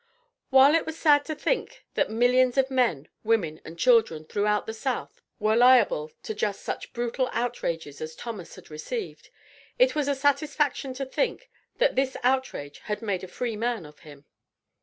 While it was sad to think, that millions of men, women, and children throughout the South were liable to just such brutal outrages as Thomas had received, it was a satisfaction to think, that this outrage had made a freeman of him.